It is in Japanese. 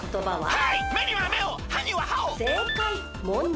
はい！